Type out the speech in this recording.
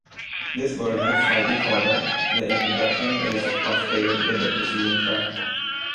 This version is slightly shorter, the introduction is cross-faded with the preceding track.